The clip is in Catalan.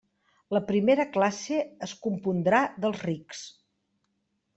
La primera classe es compondrà dels rics.